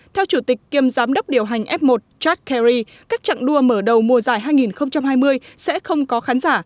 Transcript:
theo chủ tịch kiêm giám đốc điều hành f một chad carey các trạng đua mở đầu mùa giải hai nghìn hai mươi sẽ không có khán giả